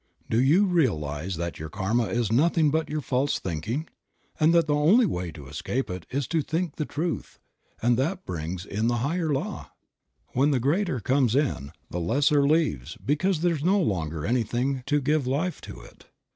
Do you realize that your Karma is nothing but your false thinking, and that the only way to escape it is to think the truth, and that brings in the higher law ? When the greater comes in the lesser leaves because there is no longer anything to give life to it.